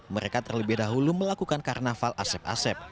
mereka terlebih dahulu melakukan karnaval asep asep